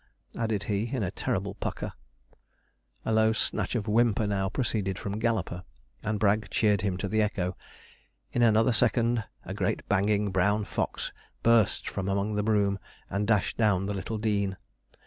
added he in a terrible pucker. A low snatch of a whimper now proceeded from Galloper, and Bragg cheered him to the echo. In another second a great banging brown fox burst from among the broom, and dashed down the little dean.